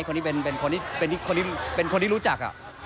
คนที่เป็นคนที่รู้จัก